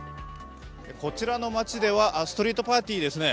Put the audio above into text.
こちらの街ではストリートパーティーですね